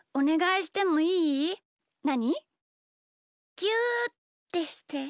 ぎゅうってして！